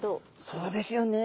そうですよね。